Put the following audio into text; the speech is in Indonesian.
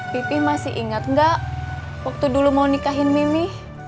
pipi masih ingat nggak waktu dulu mau nikahin mimi